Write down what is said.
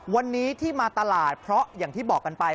วันนี้ที่มาตลาดเพราะอย่างที่บอกกันไป